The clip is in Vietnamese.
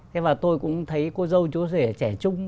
thế mà tôi cũng thấy cô dâu chú rể trẻ trung